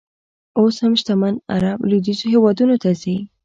اوس هم شتمن عر ب لویدیځو هېوادونو ته ځي.